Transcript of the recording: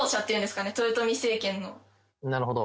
なるほど。